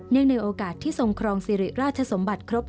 เนื่องในโอกาสที่ทรงครองซีริราชสมบัติครบ๕๐ปี